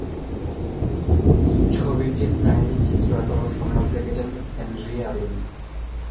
ছবিটির কাহিনী চিত্রনাট্য ও সংলাপ লিখেছেন হেনরী আমিন।